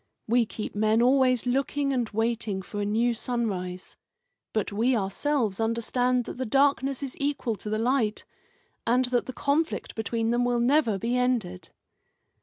We keep men always looking and waiting for a new sunrise. But we ourselves understand that the darkness is equal to the light, and that the conflict between them will never be ended."